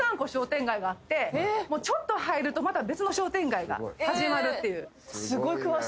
ちょっと入るとまた別の商店街が始まるっていう。